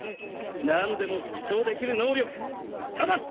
何でも縮小できる能力ただし！